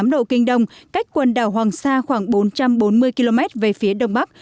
một trăm một mươi bốn tám độ kinh đông cách quần đảo hoàng sa khoảng bốn trăm bốn mươi km về phía đông bắc